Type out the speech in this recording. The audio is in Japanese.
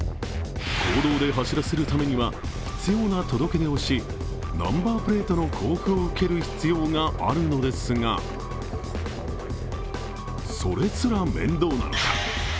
公道で走らせるためには、必要な届け出をしナンバープレートの交付を受ける必要があるのですがそれすら面倒なのか。